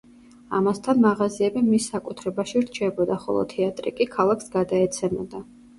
ამასთან, მაღაზიები მის საკუთრებაში რჩებოდა, ხოლო თეატრი კი ქალაქს გადაეცემოდა.